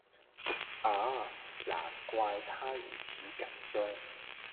啊！難怪她如此緊張